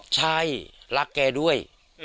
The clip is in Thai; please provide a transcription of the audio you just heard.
ใช่รักแกด้วย